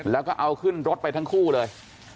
แล้วก็เอาขึ้นรถไปทั้งคู่เลย